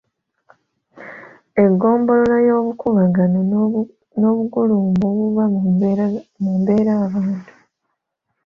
Engombolola y’obukuubagano n’obugulumbo obuba mu mbeerabantu.